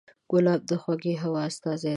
ګلاب د خوږې هوا استازی دی.